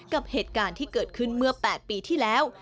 กับเหตุการณ์ที่เกิดขึ้นเมื่อ๘ปีที่แล้ว